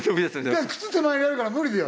靴手前にあるから無理だよ。